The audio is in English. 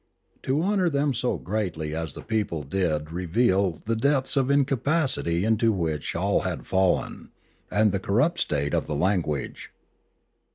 To honour them so greatly as the people did revealed the depths of incapacity into which all had fallen, and the corrupt state of the language.